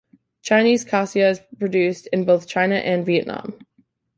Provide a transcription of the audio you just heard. Chinese cassia is produced in both China and Vietnam.